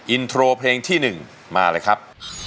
อินโทรเพลงที่๑มาเลยครับ